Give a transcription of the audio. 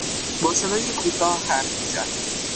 با صدای کوتاه حرف میزد.